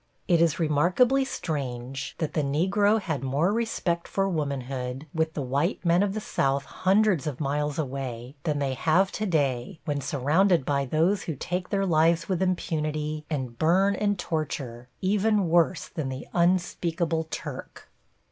It is remarkably strange that the Negro had more respect for womanhood with the white men of the South hundreds of miles away, than they have today, when surrounded by those who take their lives with impunity and burn and torture, even worse than the "unspeakable Turk."